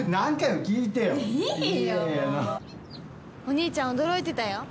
お兄ちゃん、驚いてたよ。